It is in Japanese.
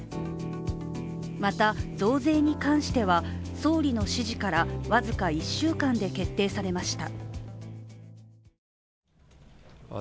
また、増税に関しては総理の指示から僅か１週間で決定されました。